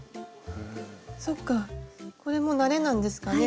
そっかこれも慣れなんですかね？